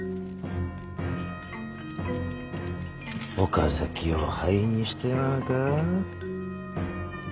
岡崎を灰にしてまうか？